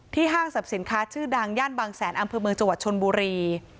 ที่ห้างสับสินค้าชื่อดังย่านบังแสนอำเภอเมืองจวดชนบุรี